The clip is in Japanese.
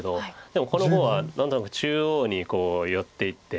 でもこの碁は何となく中央に寄っていって。